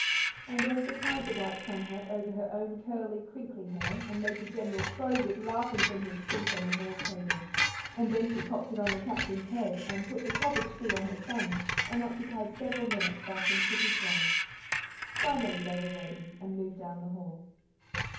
And Esther tied the white sun hat over her own curly, crinkly hair, and made the General crow with laughing from his seat on the hall table. And then she popped it on the Captain's head, and put the cabbage tree on her son's, and occupied several minutes thus in pretty play. Finally they were ready, and moved down the hall.